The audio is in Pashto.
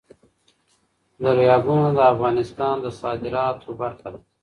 دریابونه د افغانستان د صادراتو برخه ده.